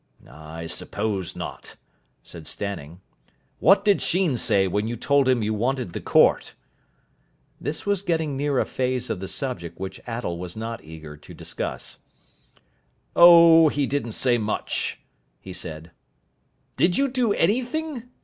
"I suppose not," said Stanning. "What did Sheen say when you told him you wanted the court?" This was getting near a phase of the subject which Attell was not eager to discuss. "Oh, he didn't say much," he said. "Did you do anything?"